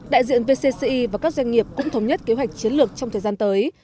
đại diện vcci và các doanh nghiệp cũng thống nhất kế hoạch chiến lược trong thời gian tới